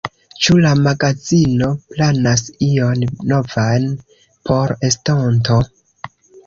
Ĉu la magazino planas ion novan por estonto?